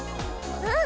うん！